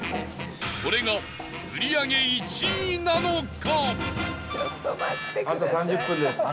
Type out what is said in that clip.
これが売り上げ１位なのか？